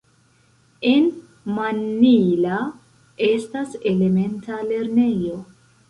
En Mannila estas elementa lernejo.